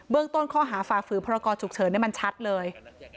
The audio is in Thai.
เบื้องต้นข้อหาฝากฝืนพรากรฉุกเฉินได้มันชัดเลย